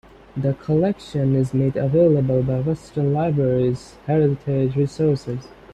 The collection is made available by Western Libraries Heritage Resources.